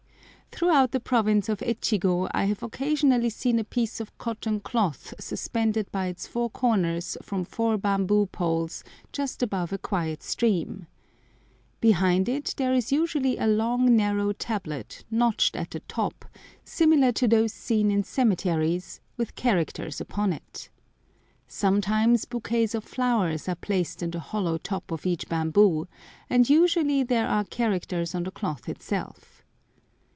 Throughout the province of Echigo I have occasionally seen a piece of cotton cloth suspended by its four corners from four bamboo poles just above a quiet stream. Behind it there is usually a long narrow tablet, notched at the top, similar to those seen in cemeteries, with characters upon it. Sometimes bouquets of flowers are placed in the hollow top of each bamboo, and usually there are characters on the cloth itself.